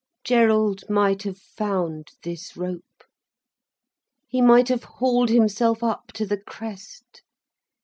Gerald might have found this rope. He might have hauled himself up to the crest.